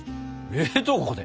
冷凍庫で。